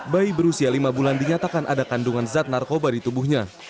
bayi berusia lima bulan dinyatakan ada kandungan zat narkoba di tubuhnya